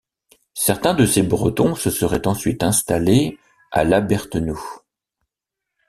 Certains de ces Bretons se seraient ensuite installés à La Berthenoux.